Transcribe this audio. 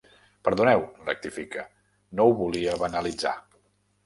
Perdoneu —rectifica—, no ho volia banalitzar.